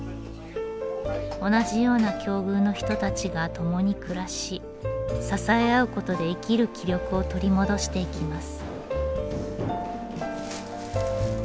同じような境遇の人たちが共に暮らし支え合うことで生きる気力を取り戻していきます。